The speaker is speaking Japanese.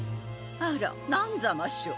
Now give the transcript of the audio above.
あらなんざましょ？